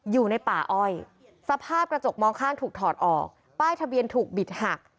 อยู่ในป่าอ้อยสภาพกระจกมองข้างถูกถอดออกป้ายทะเบียนถูกบิดหัก